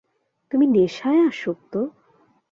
তুমি নেশায় আসক্ত?